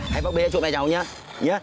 hãy bác bê ra chụp mẹ cháu nhé